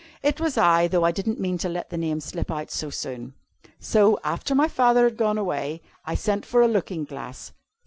"It was I though I didn't mean to let the name slip out so soon. So, after my father was gone away, I sent for a looking glass.